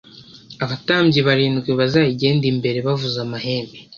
Abatambyi barindwi bazayigende imbere bavuza amahembe